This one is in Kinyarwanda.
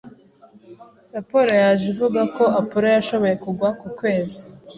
Raporo yaje ivuga ko Apollo yashoboye kugwa ku kwezi.